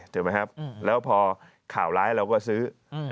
ถูกไหมครับแล้วพอข่าวร้ายเราก็ซื้อ